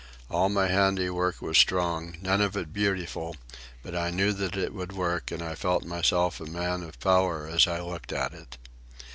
All my handiwork was strong, none of it beautiful; but I knew that it would work, and I felt myself a man of power as I looked at it.